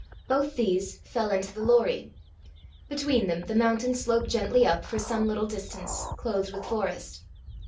Both these fell into the Lorrie. Between them the mountain sloped gently up for some little distance, clothed with forest.